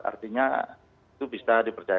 artinya itu bisa dipercaya